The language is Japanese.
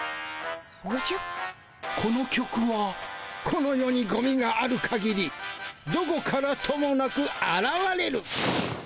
この世にゴミがあるかぎりどこからともなくあらわれる。